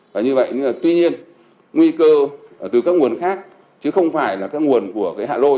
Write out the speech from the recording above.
và như vậy tuy nhiên nguy cơ từ các nguồn khác chứ không phải là các nguồn của cái hạ lôi